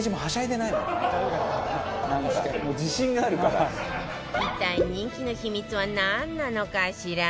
全然一体人気の秘密はなんなのかしら？